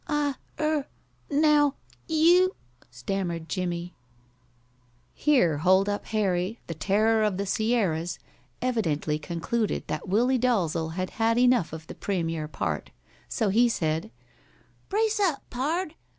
"I er now you " stammered Jimmie. Here Hold up Harry, the Terror of the Sierras, evidently concluded that Willie Dalzel had had enough of the premier part, so he said: "Brace up, pard.